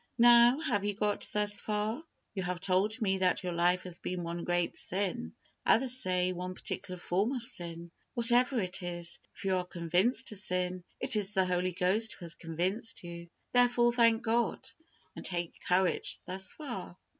Now, have you got thus far? You have told me that your life has been one great sin; others say, one particular form of sin. Whatever it is, if you are convinced of sin, it is the Holy Ghost who has convinced you; therefore, thank God, and take courage thus far.